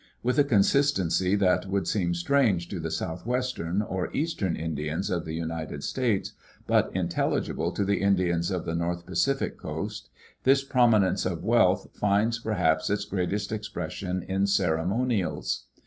With a consistency that would seem strange to the southwestern or eastern Indians of the United States, but intelligible to the Indians of the North Pacific coast, this prominence of wealth finds perhaps its greatest expression in ceremonials.